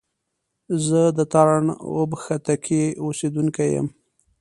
زه د تارڼ اوبښتکۍ اوسېدونکی يم